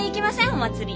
お祭り。